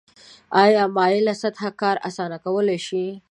آیا مایله سطحه کار اسانه کولی شي؟